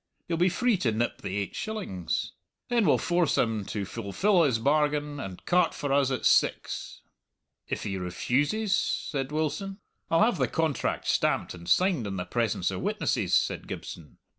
You'll be free to nip the eight shillings. Then we'll force him to fulfill his bargain and cart for us at six." "If he refuses?" said Wilson. "I'll have the contract stamped and signed in the presence of witnesses," said Gibson.